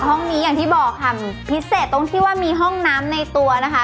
ห้องนี้อย่างที่บอกค่ะพิเศษตรงที่ว่ามีห้องน้ำในตัวนะคะ